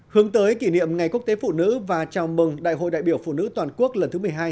hướng tới kỷ niệm ngày quốc tế phụ nữ và chào mừng đại hội đại biểu phụ nữ toàn quốc lần thứ một mươi hai